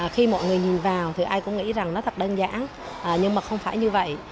khi mọi người nhìn vào thì ai cũng nghĩ rằng nó thật đơn giản nhưng mà không phải như vậy